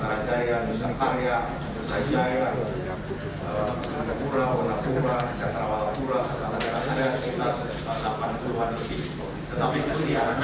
nusantara jaya nusantara jaya warna pura warna pura kerta warna pura dan kerta negara